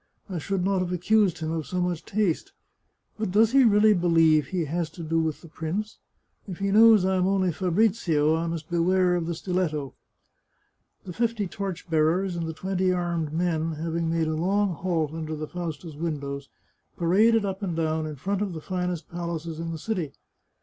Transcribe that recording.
I should not have accused him of so much taste. But does he really believe he has to do with the prince ? If he knows I am only Fabrizio, I must beware of the stiletto." The fifty torch bearers and the twenty armed men, hav ing made a long halt under the Fausta's windows, paraded up and down in front of the finest palaces in the city.